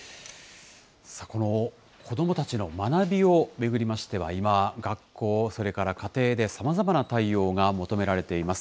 この、子どもたちの学びを巡りましては、今、学校、それから家庭でさまざまな対応が求められています。